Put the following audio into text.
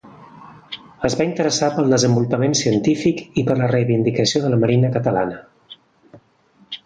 Es va interessar pel desenvolupament científic i per la reivindicació de la marina catalana.